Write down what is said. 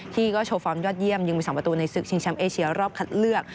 ที่ก็โชว์ฟอร์มยอดเยี่ยมยังมี๒ประตูในศึกชิงแชมป์เอเชียรอบคัดเลือก